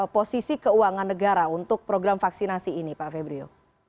posisi keuangan negara untuk program vaksinasi ini pak febrio